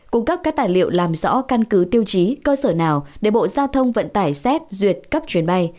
cung cấp các tài liệu làm rõ căn cứ tiêu chí cơ sở nào để bộ giao thông vận tải xét duyệt cấp chuyến bay